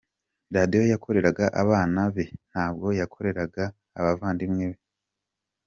Radio yakoreraga abana be, ntabwo yakoreraga abavandimwe be.